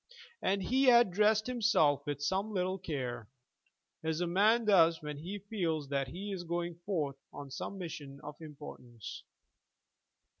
And he had dressed himself with some little care, as a man does when he feels that he is going forth on some mission of importance.